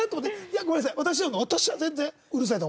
いやごめんなさい。